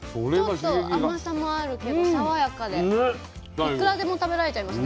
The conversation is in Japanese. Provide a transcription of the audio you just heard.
ちょっと甘さもあるけど爽やかでいくらでも食べられちゃいますね。